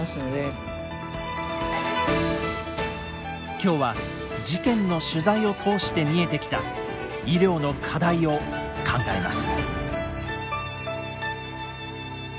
今日は事件の取材を通して見えてきた医療の課題を考えます。